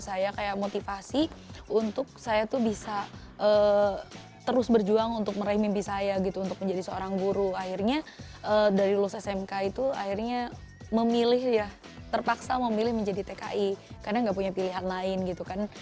saya kayak motivasi untuk saya tuh bisa terus berjuang untuk meraih mimpi saya gitu untuk menjadi seorang guru akhirnya dari lulus smk itu akhirnya memilih ya terpaksa memilih menjadi tki karena gak punya pilihan lain gitu kan